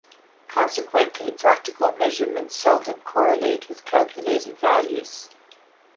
Consequently, practical measurements seldom correlate with calculated values.